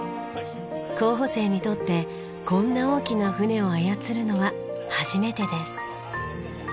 候補生にとってこんな大きな船を操るのは初めてです。